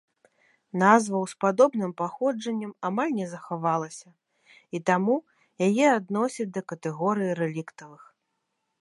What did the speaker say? Назваў з падобным паходжаннем амаль не захавалася, і таму яе адносяць да катэгорыі рэліктавых.